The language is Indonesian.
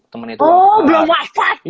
temen itu wafat oh belum wafat